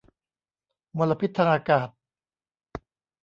มลพิษทางอากาศ